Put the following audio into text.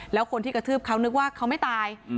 แล้วคนที่กระทืบเขานึกว่าเขาไม่ตาย